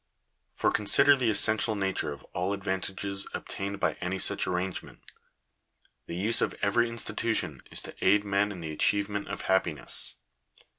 For consider the essential nature of all advantages obtained by any such arrangement. The use of every institution is to aid men in the achievement of happiness.